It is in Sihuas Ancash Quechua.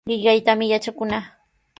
Qillqaytami yatrakunaa.